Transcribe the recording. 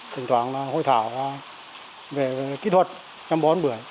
thỉnh thoảng là hội thảo về kỹ thuật trong bón buổi